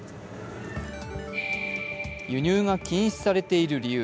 輸入が禁止されている理由。